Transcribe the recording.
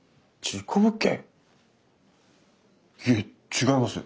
いえ違います。